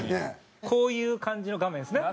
こういう感じの画面ですね。